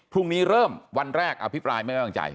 พรุ่งนี้เริ่มวันแรกอภิปรายไม่ไว้วางใจ